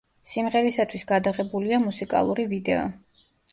სიმღერისათვის გადაღებულია მუსიკალური ვიდეო.